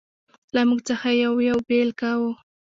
له موږ څخه یې یو یو بېل کاوه.